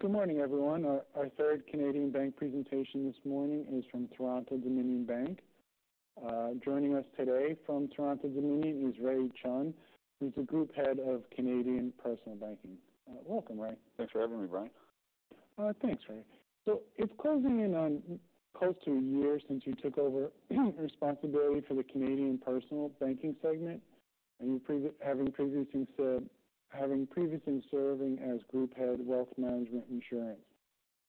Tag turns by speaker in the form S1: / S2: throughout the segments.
S1: Good morning, everyone. Our Third Canadian Bank Presentation this morning is from Toronto-Dominion Bank. Joining us today from Toronto-Dominion is Ray Chun, who's the Group Head of Canadian Personal Banking. Welcome, Ray.
S2: Thanks for having me, Brian.
S1: Thanks, Ray. So it's closing in on close to a year since you took over responsibility for the Canadian Personal Banking segment, and, having previously served as Group Head of Wealth Management and Insurance.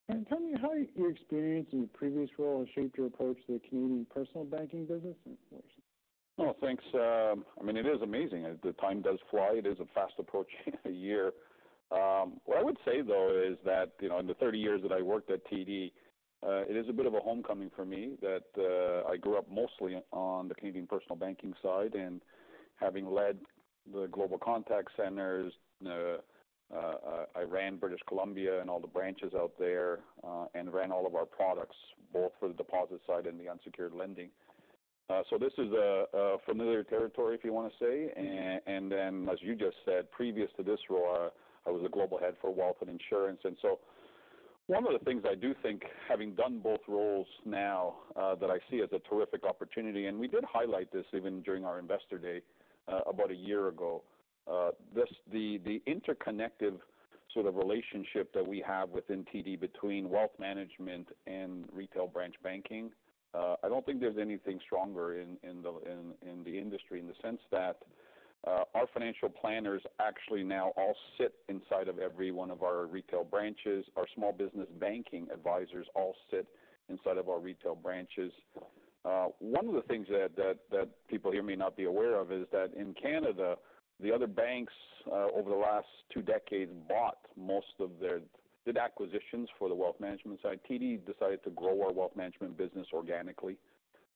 S1: Can you tell me how your experience in your previous role has shaped your approach to the Canadian personal banking business, of course?
S2: Oh, thanks. I mean, it is amazing. The time does fly. It is a fast approach, a year. What I would say, though, is that, you know, in the thirty years that I worked at TD, it is a bit of a homecoming for me that, I grew up mostly on the Canadian personal banking side and having led the global contact centers. I ran British Columbia and all the branches out there, and ran all of our products, both for the deposit side and the unsecured lending. So this is a familiar territory, if you want to say. And then, as you just said, previous to this role, I was the Global Head for Wealth and Insurance. And so one of the things I do think, having done both roles now, that I see as a terrific opportunity, and we did highlight this even during our investor day, about a year ago. This, the interconnected sort of relationship that we have within TD between wealth management and retail branch banking, I don't think there's anything stronger in the industry, in the sense that, our financial planners actually now all sit inside of every one of our retail branches. Our small business banking advisors all sit inside of our retail branches. One of the things that people here may not be aware of is that in Canada, the other banks, over the last two decades, bought most of their... Did acquisitions for the wealth management side. TD decided to grow our wealth management business organically.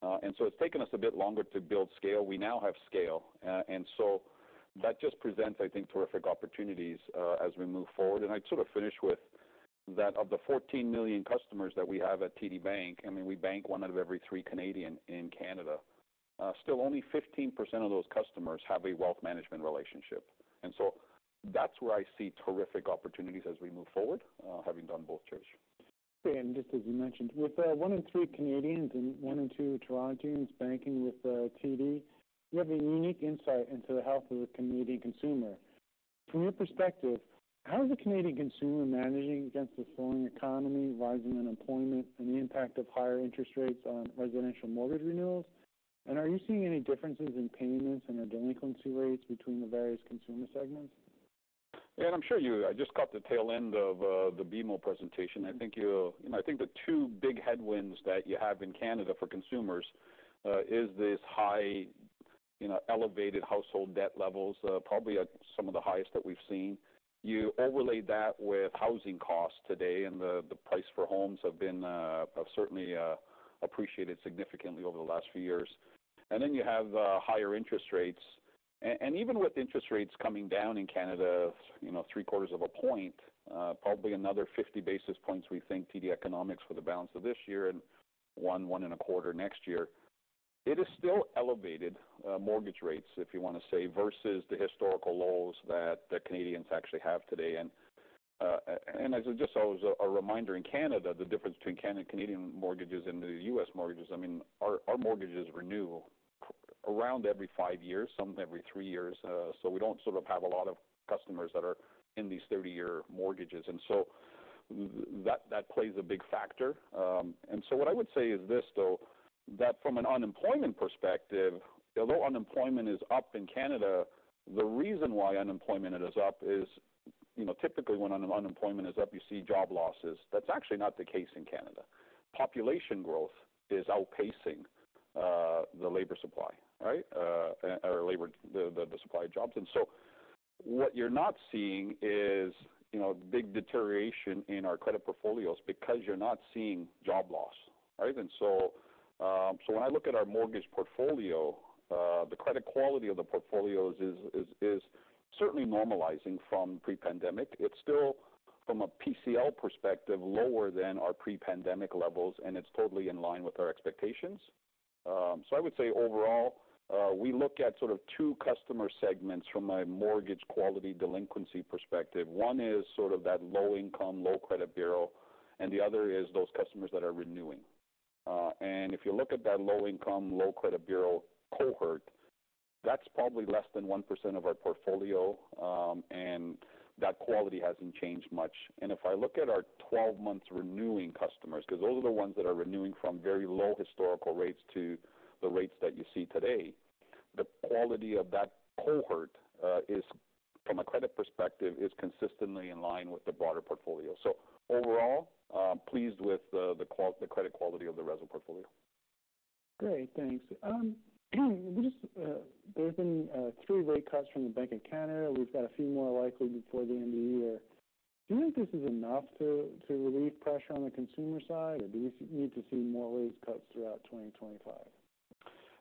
S2: And so it's taken us a bit longer to build scale. We now have scale, and so that just presents, I think, terrific opportunities, as we move forward. And I'd sort of finish with that of the 14 million customers that we have at TD Bank. I mean, we bank one out of every three Canadians in Canada. Still, only 15% of those customers have a wealth management relationship, and so that's where I see terrific opportunities as we move forward, having done both jobs.
S1: Just as you mentioned, with one in three Canadians and one in two Torontonians banking with TD, you have a unique insight into the health of the Canadian consumer. From your perspective, how is the Canadian consumer managing against the slowing economy, rising unemployment, and the impact of higher interest rates on residential mortgage renewals? And are you seeing any differences in payments and their delinquency rates between the various consumer segments?
S2: Yeah, I'm sure you just caught the tail end of the BMO presentation. I think you, you know, I think the two big headwinds that you have in Canada for consumers is this high, you know, elevated household debt levels, probably at some of the highest that we've seen. You overlay that with housing costs today, and the price for homes have been have certainly appreciated significantly over the last few years. And then you have higher interest rates. And even with interest rates coming down in Canada, you know, three-quarters of a point, probably another 50 basis points, we think TD Economics for the balance of this year and one and a quarter next year. It is still elevated mortgage rates, if you want to say, versus the historical lows that the Canadians actually have today. As just as a reminder, in Canada, the difference between Canadian mortgages and the U.S. mortgages, I mean, our mortgages renew around every five years, some every three years. So we don't sort of have a lot of customers that are in these thirty-year mortgages, and so that plays a big factor. What I would say is this, though, that from an unemployment perspective, although unemployment is up in Canada, the reason why unemployment is up is, you know, typically when unemployment is up, you see job losses. That's actually not the case in Canada. Population growth is outpacing the labor supply, right? Or labor, the supply of jobs. What you're not seeing is, you know, big deterioration in our credit portfolios because you're not seeing job loss, right? And so when I look at our mortgage portfolio, the credit quality of the portfolios is certainly normalizing from pre-pandemic. It's still, from a PCL perspective, lower than our pre-pandemic levels, and it's totally in line with our expectations, so I would say overall, we look at sort of two customer segments from a mortgage quality delinquency perspective. One is sort of that low income, low credit bureau, and the other is those customers that are renewing, and if you look at that low income, low credit bureau cohort, that's probably less than 1% of our portfolio, and that quality hasn't changed much. If I look at our twelve-month renewing customers, because those are the ones that are renewing from very low historical rates to the rates that you see today, the quality of that cohort is, from a credit perspective, consistently in line with the broader portfolio. So overall, pleased with the credit quality of the retail portfolio.
S1: Great, thanks. Just, there's been three rate cuts from the Bank of Canada. We've got a few more likely before the end of the year. Do you think this is enough to relieve pressure on the consumer side, or do we need to see more rate cuts throughout twenty twenty-five?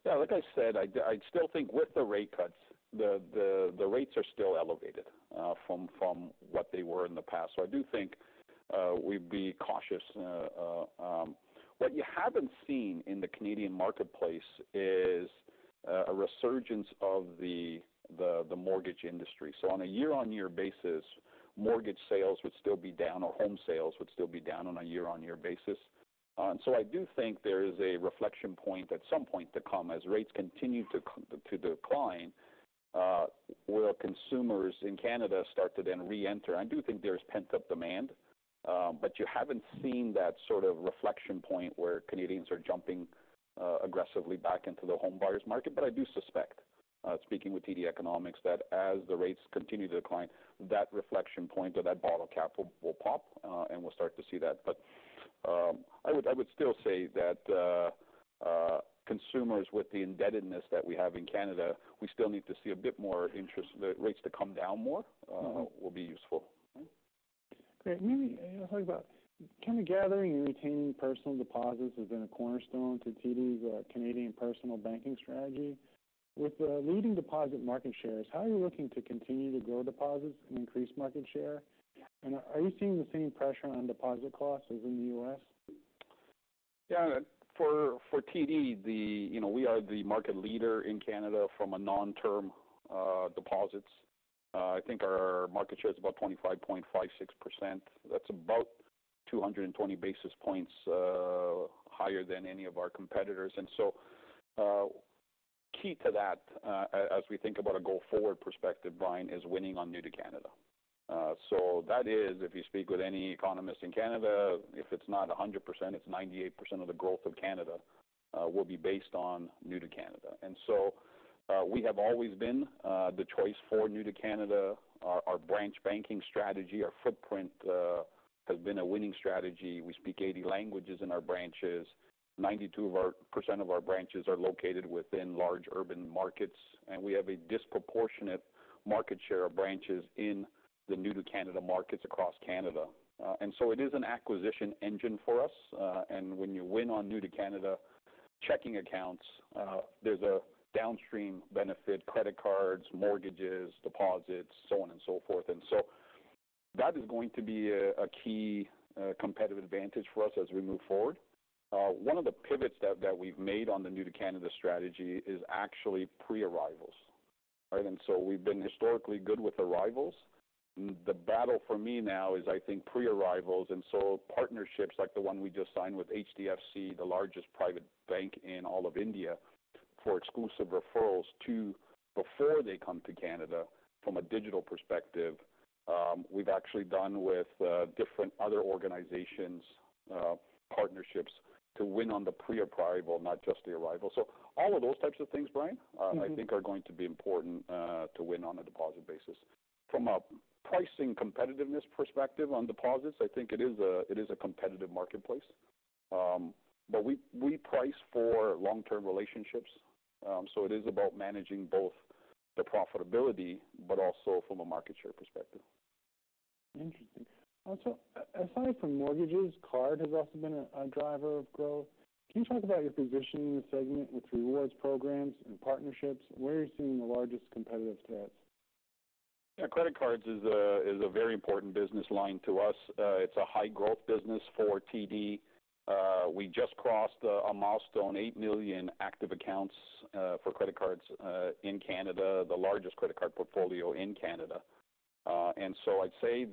S2: Yeah, like I said, I still think with the rate cuts, the rates are still elevated from what they were in the past. So I do think we'd be cautious. What you haven't seen in the Canadian marketplace is a resurgence of the mortgage industry. So on a year-on-year basis, mortgage sales would still be down, or home sales would still be down on a year-on-year basis. And so I do think there is a reflection point at some point to come, as rates continue to decline, will consumers in Canada start to then reenter? I do think there's pent-up demand, but you haven't seen that sort of reflection point where Canadians are jumping aggressively back into the home buyer's market. But I do suspect, speaking with TD Economics, that as the rates continue to decline, that reflection point or that bottle cap will pop, and we'll start to see that. But I would still say that consumers, with the indebtedness that we have in Canada, we still need to see a bit more interest rates to come down more, will be useful.
S1: Great. Maybe talk about kind of gathering and retaining personal deposits has been a cornerstone to TD's Canadian Personal Banking strategy. With the leading deposit market shares, how are you looking to continue to grow deposits and increase market share? And are you seeing the same pressure on deposit costs as in the U.S.?
S2: Yeah, for TD, you know, we are the market leader in Canada from a non-term deposits. I think our market share is about 25.56%. That's about 220 basis points higher than any of our competitors. And so, key to that, as we think about a go-forward perspective, Brian, is winning on new to Canada. So that is, if you speak with any economist in Canada, if it's not 100%, it's 98% of the growth of Canada will be based on new to Canada. And so, we have always been the choice for new to Canada. Our branch banking strategy, our footprint has been a winning strategy. We speak 80 languages in our branches. 92% of our branches are located within large urban markets, and we have a disproportionate market share of branches in the new to Canada markets across Canada, so it is an acquisition engine for us. When you win on new to Canada checking accounts, there's a downstream benefit, credit cards, mortgages, deposits, so on and so forth. That is going to be a key competitive advantage for us as we move forward. One of the pivots that we've made on the new to Canada strategy is actually pre-arrivals. Right, and so we've been historically good with arrivals. The battle for me now is, I think, pre-arrivals, and so partnerships like the one we just signed with HDFC, the largest private bank in all of India, for exclusive referrals to before they come to Canada. From a digital perspective, we've actually done with different other organizations partnerships to win on the pre-arrival, not just the arrival. So all of those types of things, Brian. I think are going to be important to win on a deposit basis. From a pricing competitiveness perspective on deposits, I think it is a competitive marketplace. But we price for long-term relationships, so it is about managing both the profitability but also from a market share perspective.
S1: Interesting. Also, aside from mortgages, card has also been a driver of growth. Can you talk about your position in the segment with rewards programs and partnerships? Where are you seeing the largest competitive threats?
S2: Yeah, credit cards is a very important business line to us. It's a high growth business for TD. We just crossed a milestone, eight million active accounts for credit cards in Canada, the largest credit card portfolio in Canada. And so I'd say,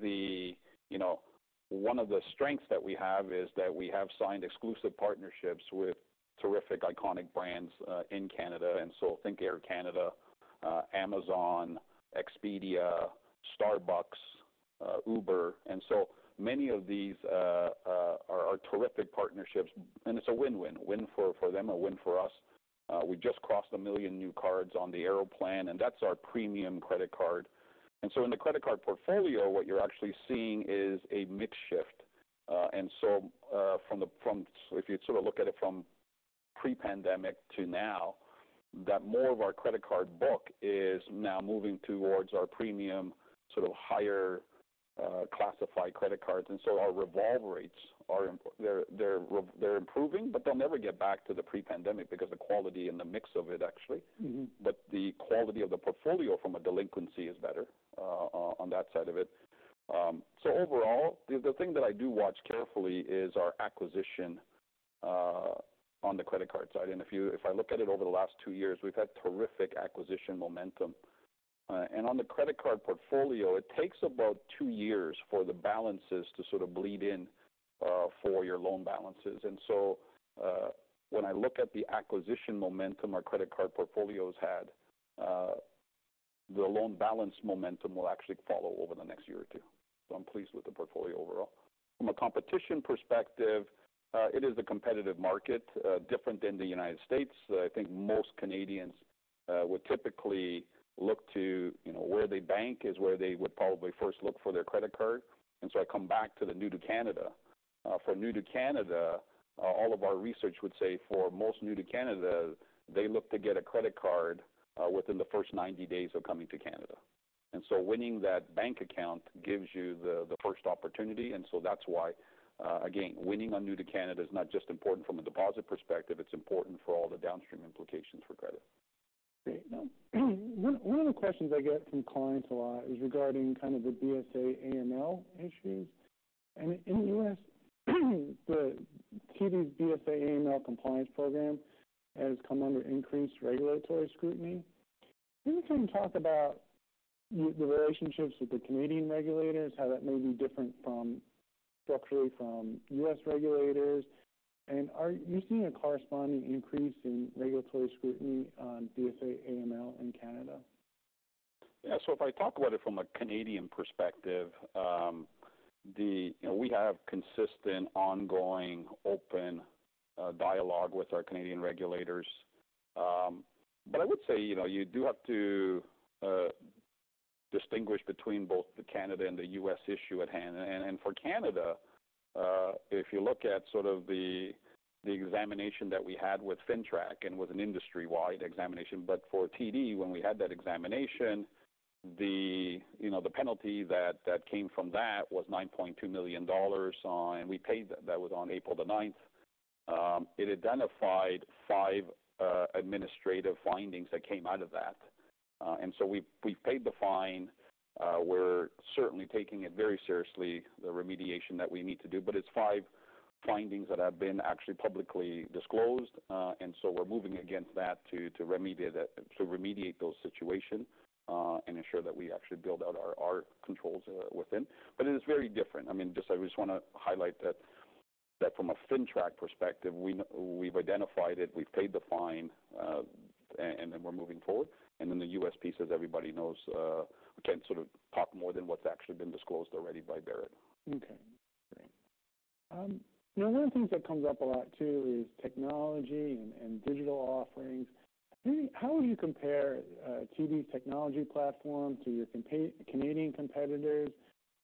S2: you know, one of the strengths that we have is that we have signed exclusive partnerships with terrific, iconic brands in Canada. And so think Air Canada, Amazon, Expedia, Starbucks, Uber. And so many of these are terrific partnerships, and it's a win-win for them, a win for us. We just crossed a million new cards on the Aeroplan, and that's our premium credit card. And so in the credit card portfolio, what you're actually seeing is a mix shift. If you'd sort of look at it from pre-pandemic to now, that more of our credit card book is now moving towards our premium, sort of higher classified credit cards. Our revolve rates are improving, but they'll never get back to the pre-pandemic because the quality and the mix of it, actually. The quality of the portfolio from a delinquency is better on that side of it. Overall, the thing that I do watch carefully is our acquisition on the credit card side. If I look at it over the last two years, we've had terrific acquisition momentum. On the credit card portfolio, it takes about two years for the balances to sort of build in for your loan balances. When I look at the acquisition momentum our credit card portfolio's had, the loan balance momentum will actually follow over the next year or two. I'm pleased with the portfolio overall. From a competition perspective, it is a competitive market, different than the United States. I think most Canadians would typically look to, you know, where they bank, is where they would probably first look for their credit card. And so I come back to the new to Canada. For new to Canada, all of our research would say, for most new to Canada, they look to get a credit card within the first 90 days of coming to Canada. And so winning that bank account gives you the first opportunity, and so that's why, again, winning on new to Canada is not just important from a deposit perspective, it's important for all the downstream implications for credit.
S1: Great. Now, one of the questions I get from clients a lot is regarding kind of the BSA/AML issues. And in the U.S., the TD BSA/AML compliance program has come under increased regulatory scrutiny. Can you kind of talk about the relationships with the Canadian regulators, how that may be different from, structurally from U.S. regulators? And are you seeing a corresponding increase in regulatory scrutiny on BSA/AML in Canada?
S2: Yeah, so if I talk about it from a Canadian perspective, you know, we have consistent, ongoing, open dialogue with our Canadian regulators. But I would say, you know, you do have to distinguish between both the Canada and the U.S. issue at hand. And for Canada, if you look at sort of the examination that we had with FINTRAC, and it was an industry-wide examination, but for TD, when we had that examination, you know, the penalty that came from that was 9.2 million dollars, and we paid that. That was on April the 9th. It identified five administrative findings that came out of that. And so we paid the fine. We're certainly taking it very seriously, the remediation that we need to do, but it's five findings that have been actually publicly disclosed. And so we're moving against that to remediate it, to remediate those situations, and ensure that we actually build out our controls within. But it is very different. I mean, I just wanna highlight that from a FINTRAC perspective, we've identified it, we've paid the fine, and then we're moving forward. And then the U.S. piece, as everybody knows, I can't sort of talk more than what's actually been disclosed already by Bharat.
S1: Okay. You know, one of the things that comes up a lot, too, is technology and digital offerings. How would you compare TD's technology platform to your Canadian competitors?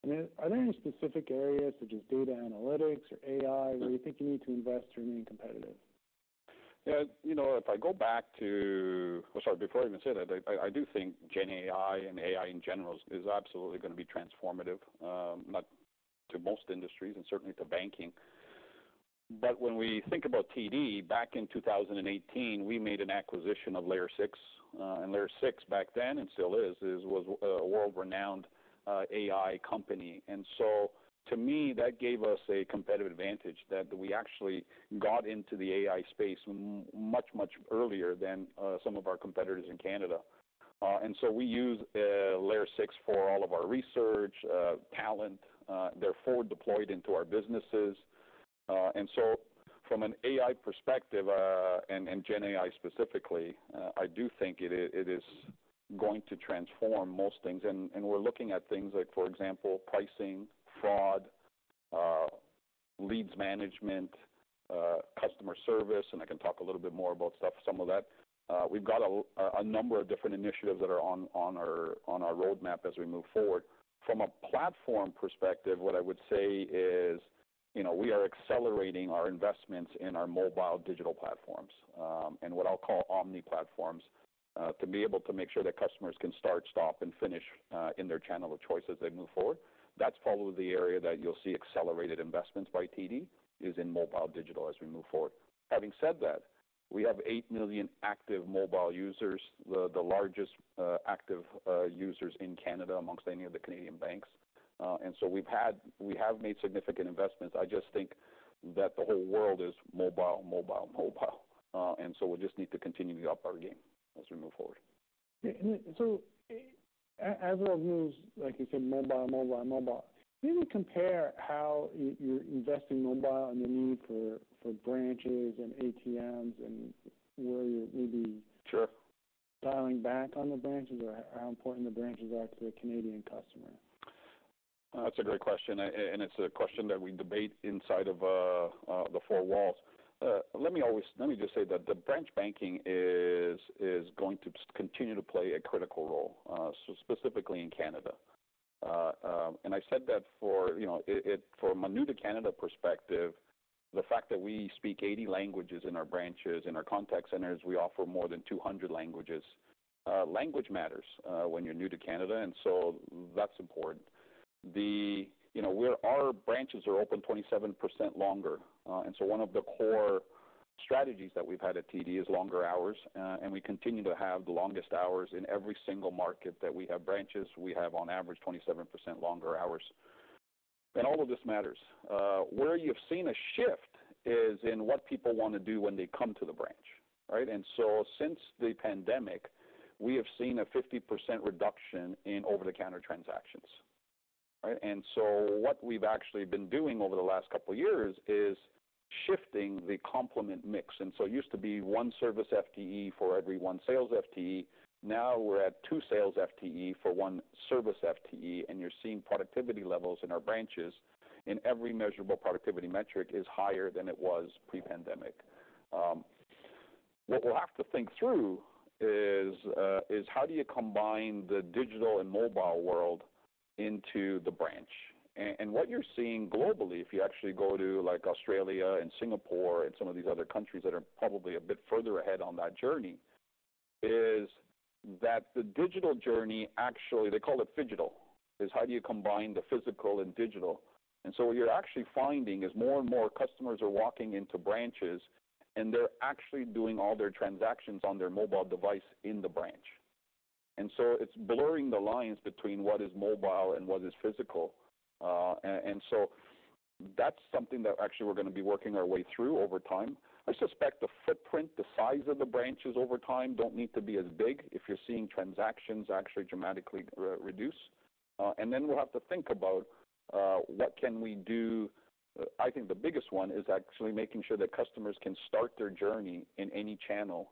S1: And then, are there any specific areas, such as data analytics or AI, where you think you need to invest to remain competitive?
S2: Yeah, you know, if I go back to... Oh, sorry, before I even say that, I do think GenAI and AI, in general, is absolutely going to be transformative, not to most industries and certainly to banking. But when we think about TD, back in 2018, we made an acquisition of Layer 6. And Layer 6, back then, and still is, was a world-renowned AI company. And so to me, that gave us a competitive advantage that we actually got into the AI space much, much earlier than some of our competitors in Canada. And so we use Layer 6 for all of our research, talent. They're forward deployed into our businesses. And so from an AI perspective, and GenAI specifically, I do think it is going to transform most things. We're looking at things like, for example, pricing, fraud, leads management, customer service, and I can talk a little bit more about stuff, some of that. We've got a number of different initiatives that are on our roadmap as we move forward. From a platform perspective, what I would say is, you know, we are accelerating our investments in our mobile digital platforms, and what I'll call omni platforms, to be able to make sure that customers can start, stop, and finish, in their channel of choice as they move forward. That's probably the area that you'll see accelerated investments by TD, is in mobile digital as we move forward. Having said that, we have eight million active mobile users, the largest active users in Canada amongst any of the Canadian banks. And so we have made significant investments. I just think that the whole world is mobile, mobile, mobile, and so we just need to continue to up our game as we move forward.
S1: Yeah, and so as the world moves, like you said, mobile, mobile, mobile, do you compare how you, you're investing mobile and the need for branches and ATMs and where you're maybe-
S2: Sure.
S1: Dialing back on the branches, or how important the branches are to the Canadian customer?
S2: That's a great question, and, and it's a question that we debate inside of, the four walls. Let me just say that the branch banking is going to continue to play a critical role, so specifically in Canada. And I've said that for, you know, it from a new-to-Canada perspective, the fact that we speak 80 languages in our branches, in our contact centers, we offer more than 200 languages. Language matters, when you're new to Canada, and so that's important. You know, where our branches are open 27% longer, and so one of the core strategies that we've had at TD is longer hours, and we continue to have the longest hours in every single market that we have branches. We have, on average, 27% longer hours, and all of this matters. Where you've seen a shift is in what people want to do when they come to the branch, right? And so since the pandemic, we have seen a 50% reduction in over-the-counter transactions, right, and so what we've actually been doing over the last couple of years is shifting the complement mix, and so it used to be one service FTE for every one sales FTE. Now we're at two sales FTE for one service FTE, and you're seeing productivity levels in our branches, in every measurable productivity metric is higher than it was pre-pandemic. What we'll have to think through is how do you combine the digital and mobile world into the branch? What you're seeing globally, if you actually go to, like, Australia and Singapore and some of these other countries that are probably a bit further ahead on that journey, is that the digital journey, actually, they call it phygital, is how do you combine the physical and digital. And so what you're actually finding is more and more customers are walking into branches, and they're actually doing all their transactions on their mobile device in the branch... And so it's blurring the lines between what is mobile and what is physical. And so that's something that actually we're going to be working our way through over time. I suspect the footprint, the size of the branches over time, don't need to be as big if you're seeing transactions actually dramatically reduce. And then we'll have to think about what can we do? I think the biggest one is actually making sure that customers can start their journey in any channel,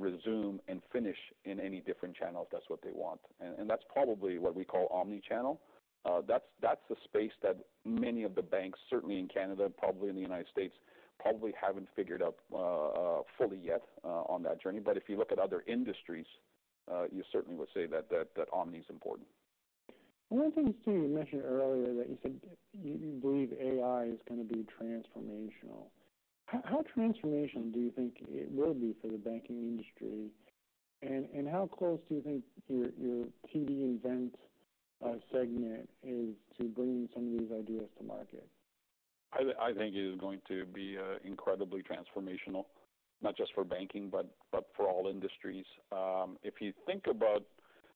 S2: resume, and finish in any different channel if that's what they want, and that's probably what we call omni-channel. That's the space that many of the banks, certainly in Canada, probably in the United States, probably haven't figured out fully yet on that journey. But if you look at other industries, you certainly would say that omni is important.
S1: One of the things, too, you mentioned earlier that you said you believe AI is going to be transformational. How transformational do you think it will be for the banking industry? And how close do you think your TD Invent segment is to bringing some of these ideas to market?
S2: I think it is going to be incredibly transformational, not just for banking, but for all industries. If you think about...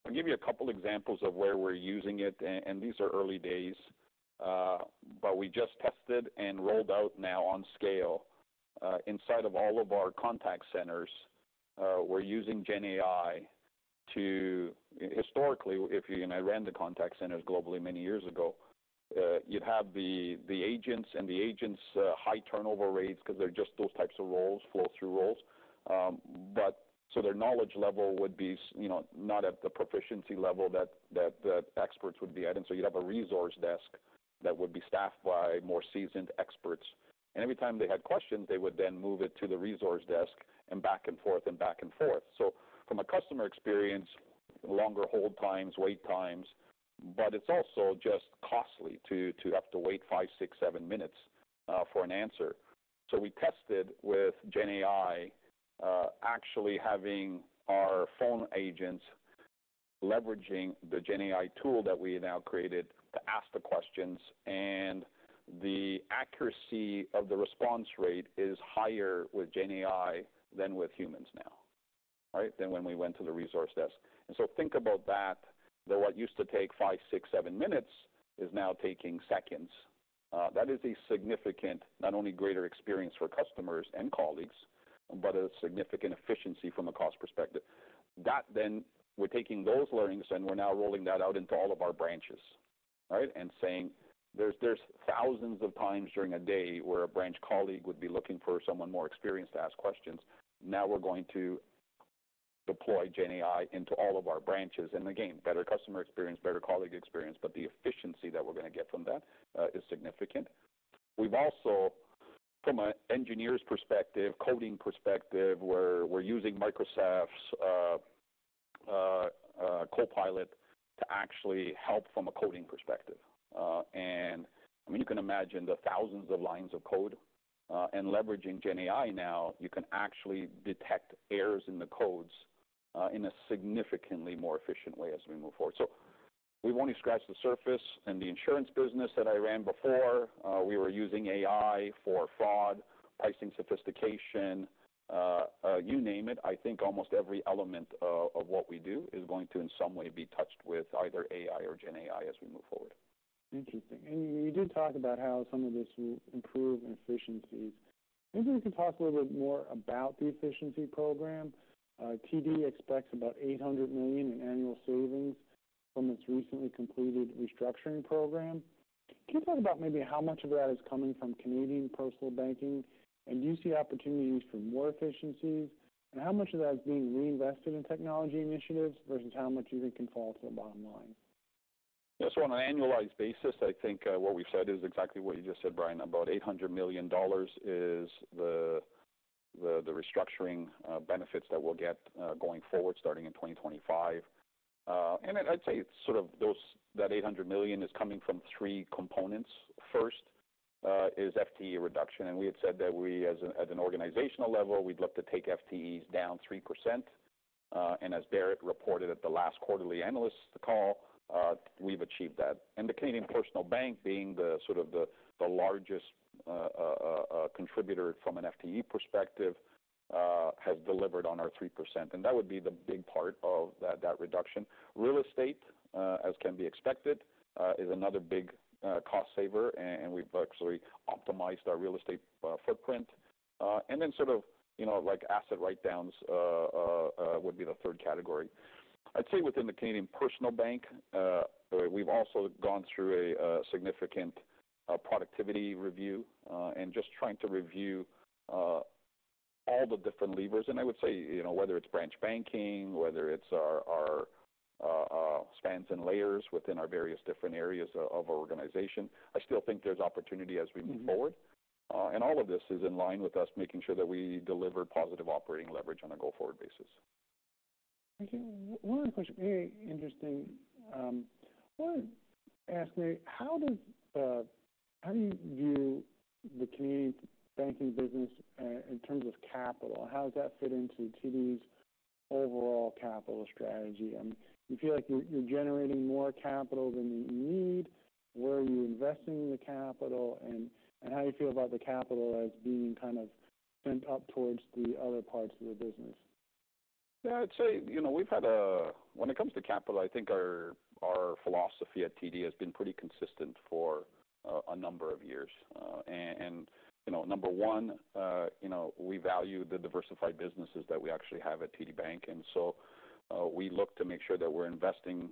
S2: I'll give you a couple examples of where we're using it, and these are early days, but we just tested and rolled out now on scale inside of all of our contact centers. We're using GenAI to historically, if you and I ran the contact centers globally many years ago, you'd have the agents and the agents high turnover rates because they're just those types of roles, flow-through roles. But so their knowledge level would be, you know, not at the proficiency level that the experts would be at. And so you'd have a resource desk that would be staffed by more seasoned experts, and every time they had questions, they would then move it to the resource desk, and back and forth and back and forth. So from a customer experience, longer hold times, wait times, but it's also just costly to have to wait five, six, seven minutes for an answer. So we tested with GenAI, actually having our phone agents leveraging the GenAI tool that we now created to ask the questions, and the accuracy of the response rate is higher with GenAI than with humans now, right, than when we went to the resource desk. And so think about that, that what used to take five, six, seven minutes is now taking seconds. That is a significant, not only greater experience for customers and colleagues, but a significant efficiency from a cost perspective. That, then, we're taking those learnings, and we're now rolling that out into all of our branches, right? And saying, there are thousands of times during a day where a branch colleague would be looking for someone more experienced to ask questions. Now we're going to deploy GenAI into all of our branches, and again, better customer experience, better colleague experience, but the efficiency that we're going to get from that is significant. We've also, from an engineer's perspective, coding perspective, we're using Microsoft Copilot to actually help from a coding perspective. I mean, you can imagine the thousands of lines of code and leveraging GenAI now. You can actually detect errors in the codes in a significantly more efficient way as we move forward. So we've only scratched the surface. In the insurance business that I ran before, we were using AI for fraud, pricing, sophistication, you name it. I think almost every element of what we do is going to, in some way, be touched with either AI or GenAI as we move forward.
S1: Interesting. And you did talk about how some of this will improve efficiencies. Maybe we can talk a little bit more about the efficiency program. TD expects about 800 million in annual savings from its recently completed restructuring program. Can you talk about maybe how much of that is coming from Canadian Personal Banking, and do you see opportunities for more efficiencies, and how much of that is being reinvested in technology initiatives versus how much you think can fall to the bottom line?
S2: Yeah. So on an annualized basis, I think, what we've said is exactly what you just said, Brian. About 800 million dollars is the restructuring benefits that we'll get, going forward, starting in 2025. And I'd say sort of that 800 million is coming from three components. First, is FTE reduction, and we had said that we at an organizational level, we'd look to take FTEs down 3%. And as Bharat reported at the last quarterly analyst call, we've achieved that. The Canadian Personal Banking being the sort of the largest contributor from an FTE perspective, has delivered on our 3%, and that would be the big part of that reduction. Real estate, as can be expected, is another big cost saver, and we've actually optimized our real estate footprint. And then sort of, you know, like asset write-downs, would be the third category. I'd say within the Canadian Personal Bank, we've also gone through a significant productivity review, and just trying to review all the different levers. And I would say, you know, whether it's branch banking, whether it's our spans and layers within our various different areas of our organization, I still think there's opportunity as we move forward. And all of this is in line with us making sure that we deliver positive operating leverage on a go-forward basis.
S1: Thank you. One question, very interesting. Wanted to ask, how does, how do you view the community banking business in terms of capital? How does that fit into TD's overall capital strategy? Do you feel like you're generating more capital than you need? Where are you investing the capital, and how do you feel about the capital as being kind of and up towards the other parts of the business?
S2: Yeah, I'd say, you know, we've had, when it comes to capital, I think our philosophy at TD has been pretty consistent for a number of years, and you know, number one, you know, we value the diversified businesses that we actually have at TD Bank, and so, we look to make sure that we're investing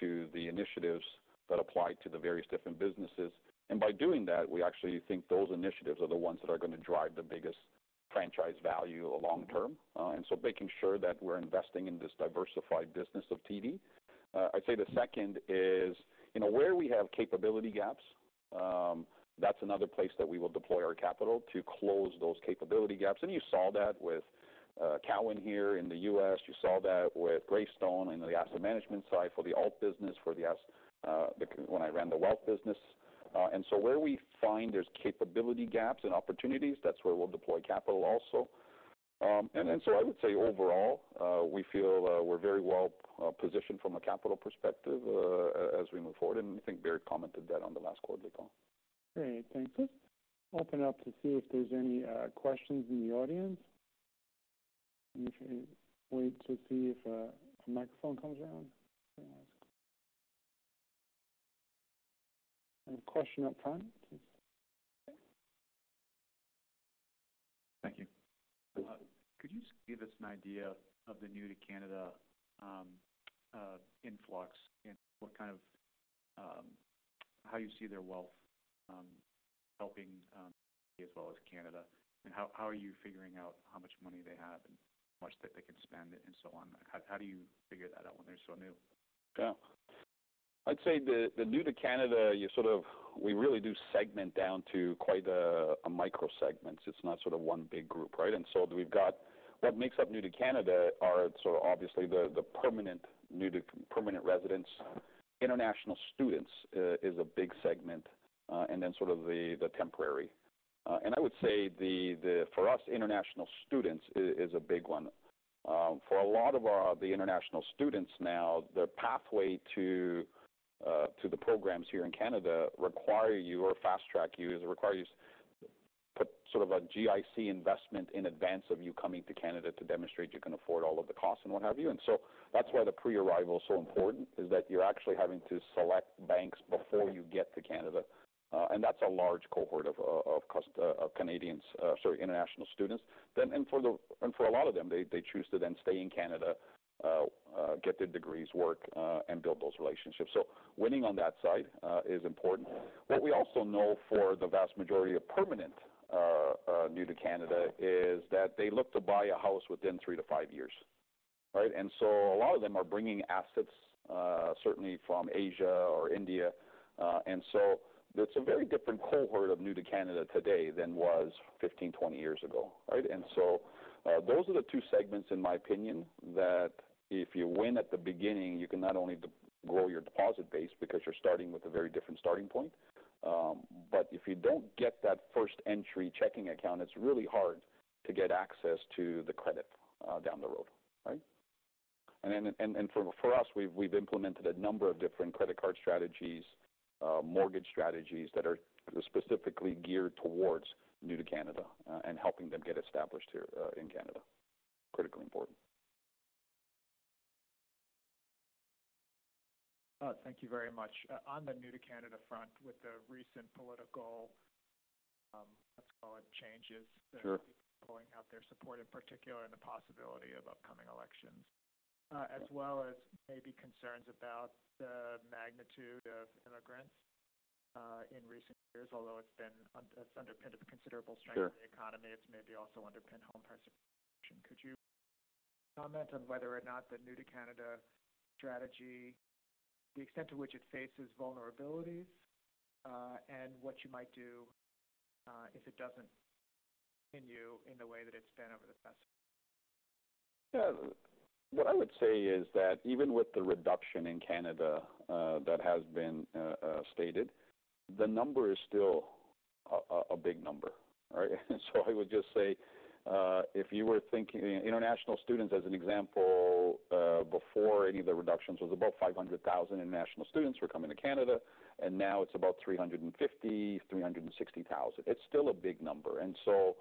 S2: to the initiatives that apply to the various different businesses, and by doing that, we actually think those initiatives are the ones that are going to drive the biggest franchise value long term, and so making sure that we're investing in this diversified business of TD. I'd say the second is, you know, where we have capability gaps, that's another place that we will deploy our capital to close those capability gaps, and you saw that with TD Cowen here in the U.S. You saw that with Greystone in the asset management side for the alt business, when I ran the wealth business. Where we find there's capability gaps and opportunities, that's where we'll deploy capital also. I would say overall, we feel we're very well positioned from a capital perspective, as we move forward, and I think Bharat commented that on the last quarter call.
S1: Great, thank you. Open up to see if there's any questions in the audience. Wait to see if a microphone comes around. A question up front. Thank you. Could you just give us an idea of the new-to-Canada influx and what kind of... How you see their wealth helping, as well as Canada? And how are you figuring out how much money they have and how much that they can spend and so on? How do you figure that out when they're so new?
S2: Yeah. I'd say the new to Canada, you sort of, we really do segment down to quite a micro segment. It's not sort of one big group, right? And so we've got what makes up new to Canada are sort of obviously, the permanent residents. International students is a big segment, and then sort of the temporary. And I would say for us, international students is a big one. For a lot of our international students now, their pathway to the programs here in Canada require you, or fast track you, require you to put sort of a GIC investment in advance of you coming to Canada to demonstrate you can afford all of the costs and what have you. And so that's why the pre-arrival is so important, is that you're actually having to select banks before you get to Canada. And that's a large cohort of international students. Sorry, then, and for a lot of them, they choose to then stay in Canada, get their degrees, work, and build those relationships. So winning on that side is important. What we also know for the vast majority of permanent new to Canada, is that they look to buy a house within three to five years, right? And so a lot of them are bringing assets, certainly from Asia or India. And so that's a very different cohort of new to Canada today than was fifteen, twenty years ago, right? And so, those are the two segments, in my opinion, that if you win at the beginning, you can not only grow your deposit base, because you're starting with a very different starting point, but if you don't get that first entry checking account, it's really hard to get access to the credit, down the road, right? And then, for us, we've implemented a number of different credit card strategies, mortgage strategies that are specifically geared towards new to Canada, and helping them get established here, in Canada. Critically important. Thank you very much. On the new to Canada front, with the recent political, let's call it changes- Sure -that are pulling out their support, in particular, and the possibility of upcoming elections, as well as maybe concerns about the magnitude of immigrants, in recent years, although it's been, it's underpinned a considerable strength- Sure In the economy, it's maybe also underpinned home price appreciation. Could you comment on whether or not the new-to-Canada strategy, the extent to which it faces vulnerabilities, and what you might do, if it doesn't continue in the way that it's been over the past? Yeah. What I would say is that even with the reduction in Canada, that has been stated, the number is still a big number, right? So I would just say, if you were thinking international students, as an example, before any of the reductions, it was about 500,000 international students were coming to Canada, and now it's about 350, 360,00. It's still a big number, and so,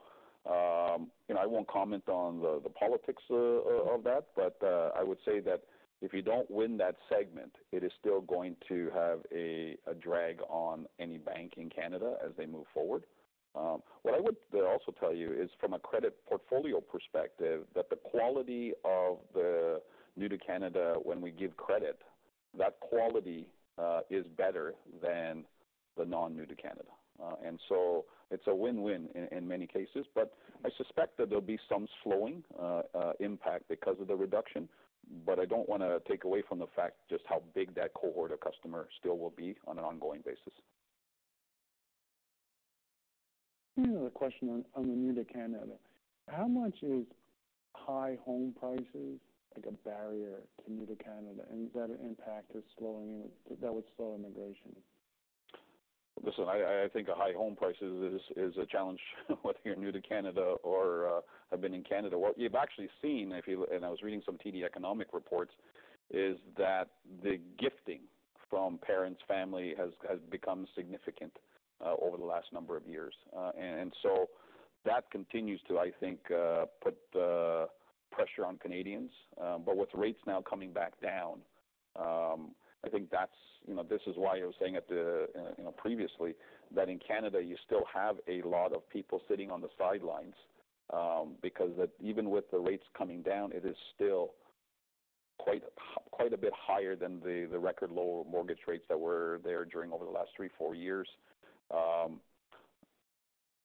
S2: you know, I won't comment on the politics of that, but, I would say that if you don't win that segment, it is still going to have a drag on any bank in Canada as they move forward. What I would also tell you is from a credit portfolio perspective, that the quality of the new to Canada, when we give credit, that quality is better than the non-new to Canada. And so it's a win-win in many cases, but I suspect that there'll be some slowing impact because of the reduction. But I don't want to take away from the fact just how big that cohort of customers still will be on an ongoing basis.
S1: Another question on the new to Canada. How much is high home prices, like, a barrier to new to Canada, and does that impact the slowing, that would slow immigration?
S2: Listen, I think high home prices is a challenge whether you're new to Canada or have been in Canada. What you've actually seen, and I was reading some TD economic reports, is that the gifting from parents, family, has become significant over the last number of years. And so that continues to, I think, put pressure on Canadians. But with rates now coming back down, I think that's, you know, this is why I was saying at the, previously, that in Canada, you still have a lot of people sitting on the sidelines, because even with the rates coming down, it is still quite a bit higher than the record low mortgage rates that were there during over the last three, four years.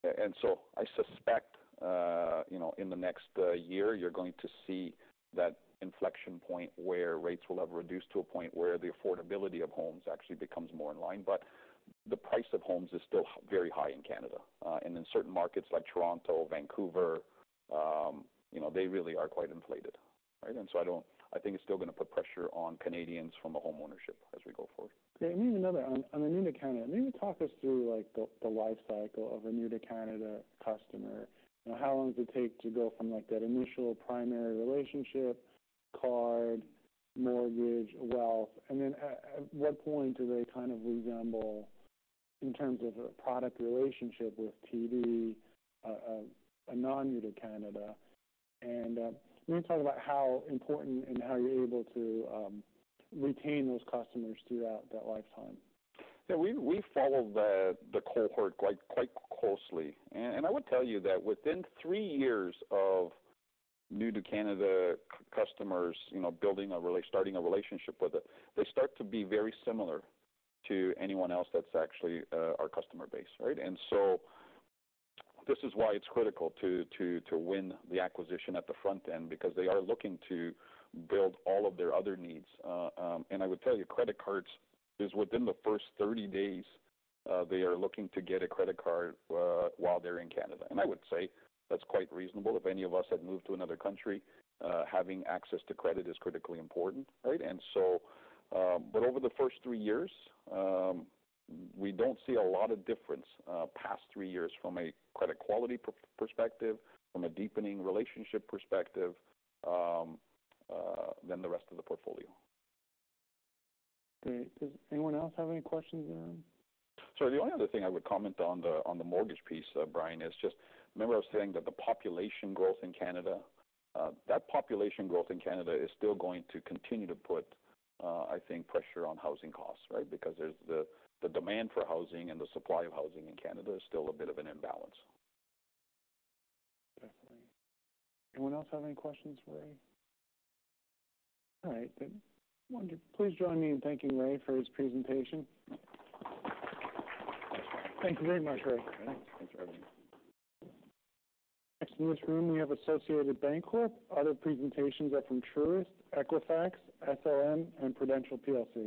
S2: And so I suspect, you know, in the next year, you're going to see that inflection point where rates will have reduced to a point where the affordability of homes actually becomes more in line. But the price of homes is still very high in Canada, and in certain markets like Toronto, Vancouver, you know, they really are quite inflated, right? And so I think it's still gonna put pressure on Canadians from the homeownership as we go forward.
S1: Great. And even another on the new to Canada, maybe talk us through, like, the life cycle of a new to Canada customer. You know, how long does it take to go from, like, that initial primary relationship, card, mortgage, wealth? And then at what point do they kind of resemble, in terms of a product relationship with TD, a non-new to Canada? And we wanna talk about how important and how you're able to retain those customers throughout that lifetime.
S2: Yeah, we follow the cohort quite closely. And I would tell you that within three years of new to Canada customers, you know, starting a relationship with it, they start to be very similar to anyone else that's actually our customer base, right? And so this is why it's critical to win the acquisition at the front end, because they are looking to build all of their other needs. And I would tell you, credit cards is within the first 30 days, they are looking to get a credit card while they're in Canada. And I would say that's quite reasonable. If any of us had moved to another country, having access to credit is critically important, right? And so, but over the first three years, we don't see a lot of difference past three years from a credit quality perspective, from a deepening relationship perspective, than the rest of the portfolio.
S1: Great. Does anyone else have any questions here?
S2: So the only other thing I would comment on the mortgage piece, Brian, is just remember I was saying that the population growth in Canada is still going to continue to put, I think, pressure on housing costs, right? Because there's the demand for housing and the supply of housing in Canada is still a bit of an imbalance.
S1: Definitely. Anyone else have any questions for Ray? All right, then please join me in thanking Ray for his presentation. Thank you very much, Ray.
S2: Thanks. Thanks for having me.
S1: Next in this room, we have Associated Banc-Corp. Other presentations are from Truist, Equifax, SLM, and Prudential PLC.